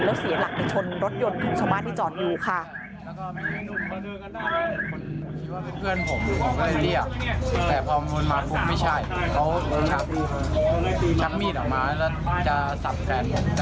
แล้วเสียหลักไปชนรถยนต์ของชาวบ้านที่จอดอยู่ค่ะ